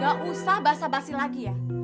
gak usah basah basi lagi ya